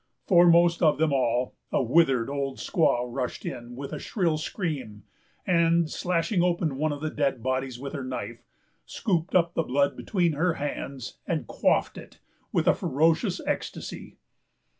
Foremost of them all, a withered old squaw rushed in, with a shrill scream, and, slashing open one of the dead bodies with her knife, scooped up the blood between her hands, and quaffed it with a ferocious ecstasy.